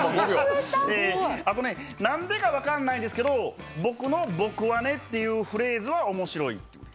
なんでか分かんないんですけど、僕の「僕はね」というフレーズは面白い。